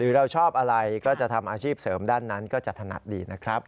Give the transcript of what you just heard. เราชอบอะไรก็จะทำอาชีพเสริมด้านนั้นก็จะถนัดดีนะครับ